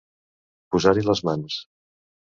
Posar-hi les mans.